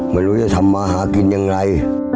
ไม่รู้จะทำมาหากินยังไง